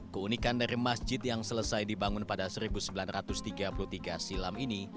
keunikan dari masjid yang selesai dibangun pada seribu sembilan ratus tiga puluh tiga silam ini